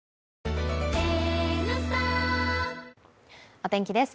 お天気です。